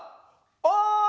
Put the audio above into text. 「おい！」